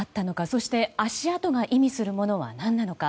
そして、足跡が意味するものは何なのか。